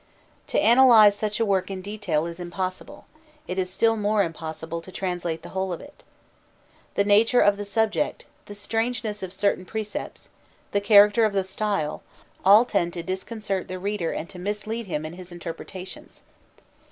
To analyse such a work in detail is impossible: it is still more impossible to translate the whole of it. The nature of the subject, the strangeness of certain precepts, the character of the style, all tend to disconcert the reader and to mislead him in his interpretations.